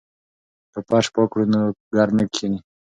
که فرش پاک کړو نو ګرد نه کښیني.